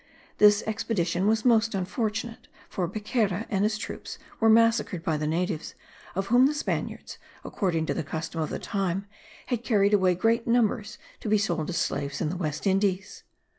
This expedition was most unfortunate for Becerra and his troop were massacred by the natives, of whom the Spaniards, according to the custom of the time, had carried away great numbers to be sold as slaves in the West Indies.